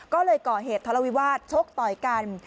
ก็เลยก่อเหตุทะเลาวิวาสชกต่อยกัน